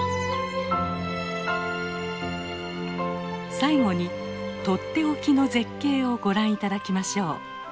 最後にとっておきの絶景をご覧いただきましょう。